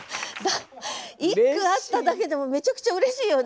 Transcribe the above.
１句あっただけでもめちゃくちゃうれしいよね？